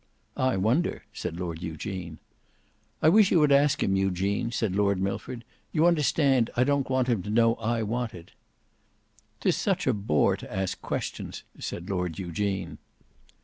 "I wonder," said Lord Eugene. "I wish you would ask him, Eugene," said Lord Milford, "you understand, I don't want him to know I want it." "'Tis such a bore to ask questions," said Lord Eugene.